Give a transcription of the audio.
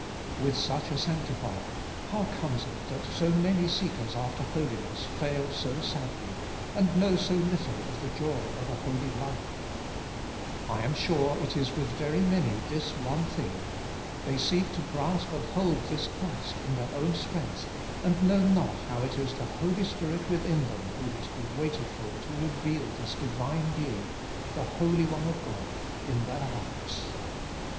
5. With such a Sanctifier, how comes it that so many seekers after holiness fail so sadly, and know so little of the joy of a holy life ? I am sure It is with very many this one thing : they seek to grasp and hold this Christ in their own strength, and know not how it is the Holy Spirit within them who must be waited for to reveal this Divine Being, the Holy One of God, In their hearts.